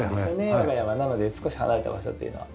なので少し離れた場所っていうのは。